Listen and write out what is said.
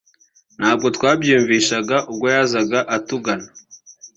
ntabwo twabyiyumvishaga ubwo yazaga atugana